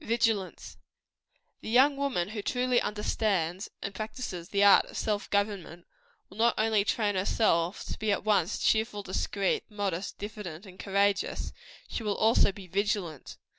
VIGILANCE. The young woman who truly understands and practises the art of self government, will not only train herself to be at once cheerful, discreet, modest, diffident and courageous; she will also be vigilant.